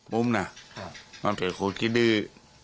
บุ้มน่ะมันเป็นคนขี้ดื้อ